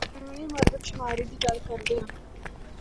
پرانڑے مردم شماری دی گل کردے آں۔